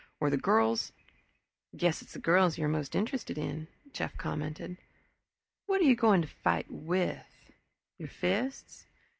or the girls " "Guess it's the girls you're most interested in," Jeff commented. "What are you going to fight with your fists?"